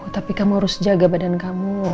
tapi kamu harus jaga badan kamu